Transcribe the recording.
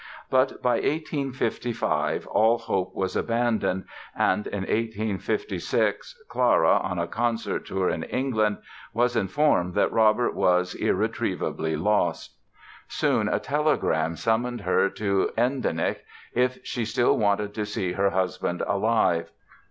But by 1855 all hope was abandoned and in 1856 Clara, on a concert tour in England, was informed that Robert was "irretrievably lost". Soon a telegram summoned her to Endenich "if she still wanted to see her husband alive".